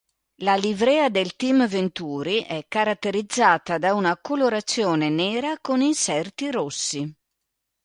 La livrea del team Venturi è caratterizzata da una colorazione nera con inserti rossi.